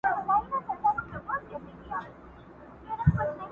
خزان له پېغلو پېزوانونو سره لوبي کوي!!